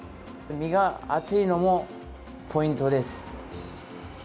身が厚いのもポイントです。